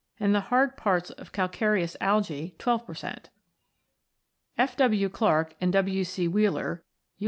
and the hard parts of calcareous algse 12 per centda). F. W. Clarke and W. C. Wheeler (U.